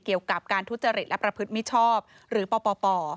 เกี่ยวกับการทุจริตและประพฤติมิชชอบหรือปป